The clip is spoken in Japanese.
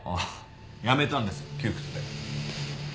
辞めたんです窮屈で。